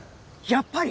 やっぱり？